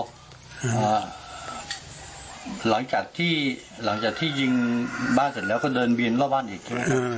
หลังจากที่หลังจากที่ยิงบ้านเสร็จแล้วก็เดินบินรอบบ้านอีกใช่ไหม